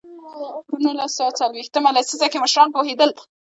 په نولس سوه څلوېښت مه لسیزه کې مشران پوهېدل.